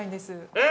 ◆えっ！？